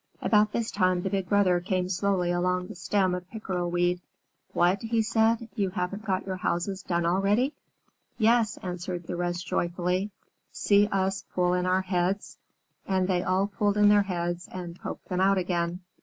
About this time the Big Brother came slowly along the stem of pickerel weed. "What," said he, "you haven't got your houses done already?" "Yes," answered the rest joyfully. "See us pull in our heads." And they all pulled in their heads and poked them out again.